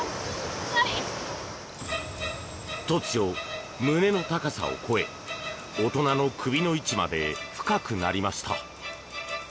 突如、胸の高さを超え大人の首の位置まで深くなりました。